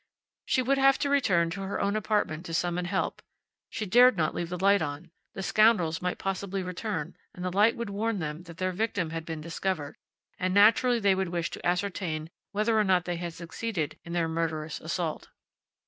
She would have to return to her own apartment to summon help. She dared not leave the light on. The scoundrels might possibly return, and the light would warn them that their victim had been discovered; and naturally they would wish to ascertain whether or not they had succeeded in their murderous assault.